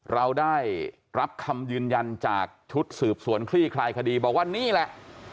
เราได้รับคำยืนยันจากชุดสืบสวนคลี่คลายคดีบอกว่านี่แหละ